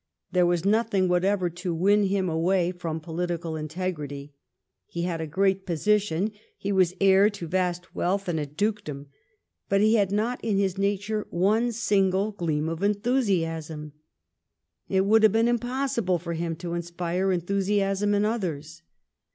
There was nothing what ever to win him away from political integrity. He had a great position, he was heir to vast wealth and to a dukedom. But he had not in his nature one single gleam of enthusiasm. It would have been impossible for him to inspire enthusiasm in others.